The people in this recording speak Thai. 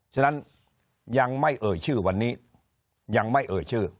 ฉะนั้นยังไม่เอ่ยชื่อวันนี้ยังไม่เอ่ยชื่อ